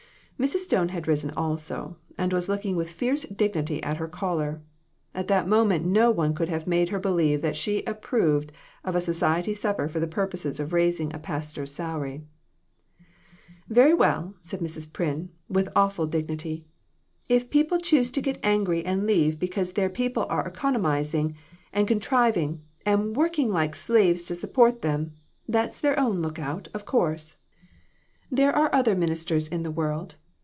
Mrs. Stone had risen, also, and was looking with fierce dignity at her caller. At that moment no one could have made her believe that she approved of a society supper for the purpose of raising a pastor's salary. "Very well," said Mrs. Pryn, with awful dig ity; "if people choose to get angry and leave because their people are economizing, and con triving and working like slaves to support them, that's their own lookout, of course. There are DON T REPEAT IT. 155 other ministers in the world.